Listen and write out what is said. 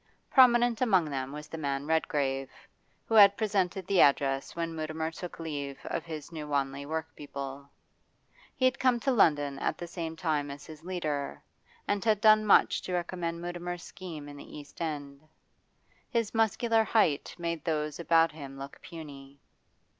Prominent among them was the man Redgrave, he who had presented the address when Mutimer took leave of his New Wanley workpeople. He had come to London at the same time as his leader, and had done much to recommend Mutimer's scheme in the East End. His muscular height made those about him look puny.